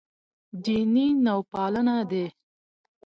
دیني نوپالنه دی.